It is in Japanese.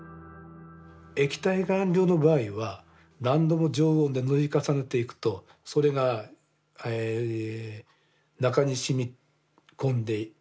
液体顔料の場合は何度も常温で塗り重ねていくとそれが中に染み込んでいく。